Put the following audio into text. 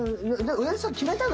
上田さん決めたの？